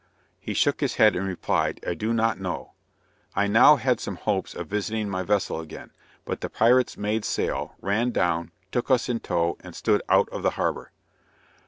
He shook his head and replied, "I do not know." I now had some hopes of visiting my vessel again but the pirates made sail, ran down, took us in tow and stood out of the harbor.